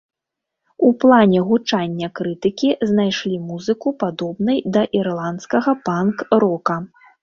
У плане гучання крытыкі знайшлі музыку падобнай да ірландскага панк-рока.